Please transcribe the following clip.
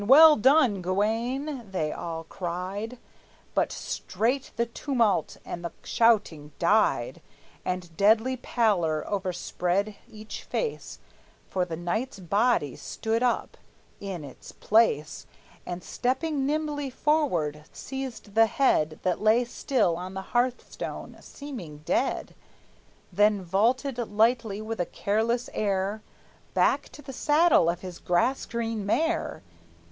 Well done, Gawayne!" they all cried; But straight the tumult and the shouting died, And deadly pallor overspread each face, For the knight's body stood up in its place And stepping nimbly forward seized the head That lay still on the hearth stone, seeming dead; Then vaulted lightly, with a careless air, Back to the saddle of his grass green mare.